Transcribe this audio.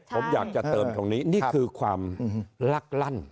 ผมอยากจะเติมตรงนี้นี่คือความลักลั่น